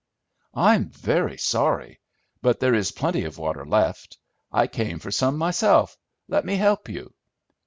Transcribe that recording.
"I'm very sorry, but there is plenty of water left. I came for some myself. Let me help you."